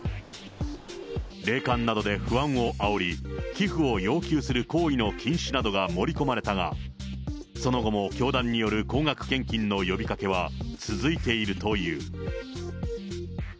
霊感などで不安をあおり、寄付を要求する行為の禁止などが盛り込まれたが、その後も教団による高額献金の呼びかけは続いているという。